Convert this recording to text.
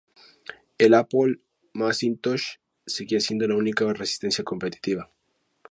El Apple Macintosh seguía siendo la única resistencia competitiva.